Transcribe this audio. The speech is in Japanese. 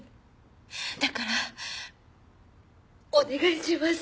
だからお願いします。